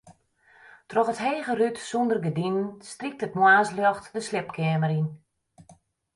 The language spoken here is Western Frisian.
Troch it hege rút sûnder gerdinen strykt it moarnsljocht de sliepkeamer yn.